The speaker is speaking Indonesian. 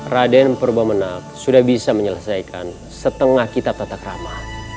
raden purbamenak sudah bisa menyelesaikan setengah kitab tathakrama